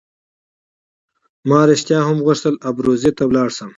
ما رښتیا هم غوښتل ابروزي ته ولاړ شم.